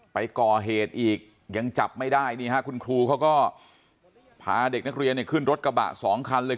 ไปก่อเหตุอีกยังจับไม่ได้นี่ฮะคุณครูเขาก็พาเด็กนักเรียนขึ้นรถกระบะสองคันเลย